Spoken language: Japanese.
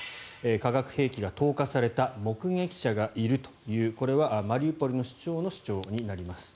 化学兵器が投下された目撃者がいるというこれはマリウポリの市町の主張になります。